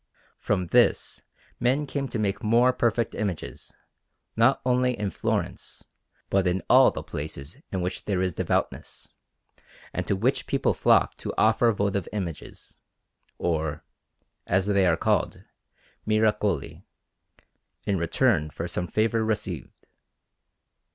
From this men came to make more perfect images, not only in Florence, but in all the places in which there is devoutness, and to which people flock to offer votive images, or, as they are called, "miracoli," in return for some favour received.